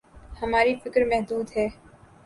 ہماری فکر محدود ہے۔